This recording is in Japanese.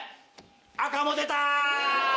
赤も出た！